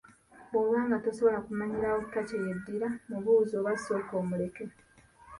Bw’obanga tosobola kumanyirawo kika kye yeddira mubuuze oba sooka omuleke.